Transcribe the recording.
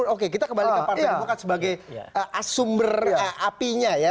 oke kita kembali ke partai demokrat sebagai sumber apinya ya